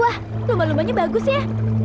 wah lumba lumbanya bagus ya